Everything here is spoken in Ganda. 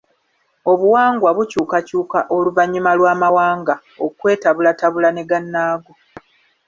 Obuwangwa bukyukakyuka oluvannyuma lw'amawanga okwetabulatabula ne gannaago.